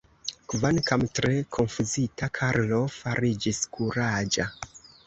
Kvankam tre konfuzita, Karlo fariĝis kuraĝa.